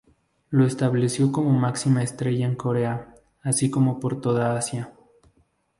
Lo estableció como máxima estrella en Corea, así como por toda Asia.